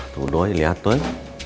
tuh doi liat tuh